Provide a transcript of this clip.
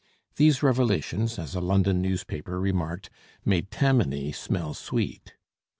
These revelations, as a London newspaper remarked, 'made Tammany smell sweet.'